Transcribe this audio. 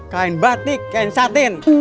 kain batik kain satin